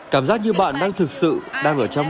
cảm giác như bạn đang thực sự đang ở trong bảo tàng